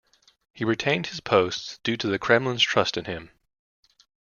He retained his posts due to the Kremlin's trust in him.